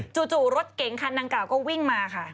จู่รถเก๋งคันดังกล่าก็วิ่งมาค่ะ